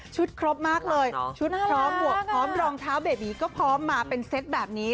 ครบมากเลยชุดพร้อมบวกพร้อมรองเท้าเบบีก็พร้อมมาเป็นเซตแบบนี้